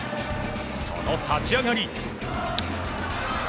その立ち上がり。